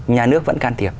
nhà nước vẫn can thiệp